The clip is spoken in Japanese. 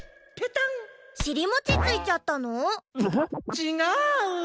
ちがう！